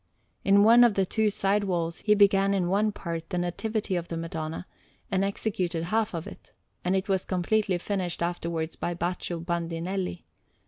In one of the two side walls, he began in one part the Nativity of the Madonna, and executed half of it; and it was completely finished afterwards by Baccio Bandinelli.